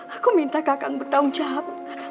aku minta kakak bertanggung jawab